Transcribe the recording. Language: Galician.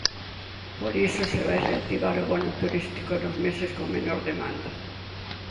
Por iso se vai reactivar o bono turístico nos meses con menor demanda.